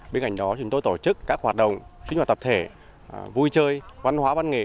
bên cạnh đó chúng tôi tổ chức các hoạt động sinh hoạt tập thể vui chơi văn hóa văn nghệ